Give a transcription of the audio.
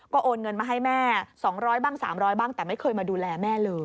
โอนเงินมาให้แม่๒๐๐บ้าง๓๐๐บ้างแต่ไม่เคยมาดูแลแม่เลย